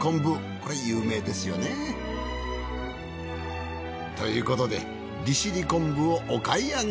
これ有名ですよね。ということで利尻昆布をお買い上げ。